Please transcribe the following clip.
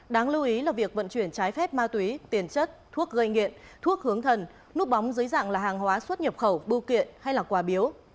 đáng lưu ý là việc vận chuyển trái phép ma túy tiền chất thuốc gây nghiện thuốc hướng thần núp bóng dưới dạng là hàng hóa xuất nhập khẩu bưu kiện hay là quà biếu